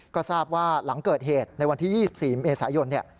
ก็ทราบว่าหลังเกิดเหตุในวันที่๒๔เมษายน